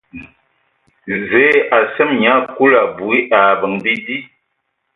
Zəə a seme nyia Kulu abui ai abəŋ bidi.